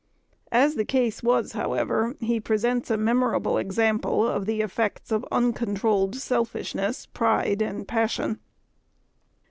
As the case was, however, he presents a memorable example of the effects of uncontrolled selfishness, pride, and passion.